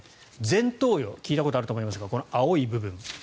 前頭葉、聞いたことあると思いますがこの青い部分。